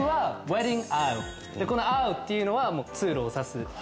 「ａｉｓｌｅ」っていうのは通路を指す。